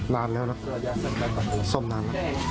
นานแล้วหรอซ่อมนานหรอ